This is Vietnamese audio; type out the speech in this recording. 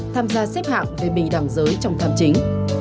tham gia xếp hạng về bình đẳng giới trong tham chính